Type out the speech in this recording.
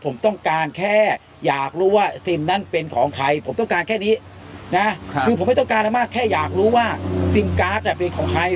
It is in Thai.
ผมต้องการแค่อยากรู้ว่าซิมนั้นเป็นของใครผมต้องการแค่นี้นะคือผมไม่ต้องการอะไรมากแค่อยากรู้ว่าซิมการ์ดเป็นของใคร